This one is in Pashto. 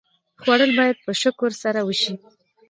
خوړل باید په شکر سره وشي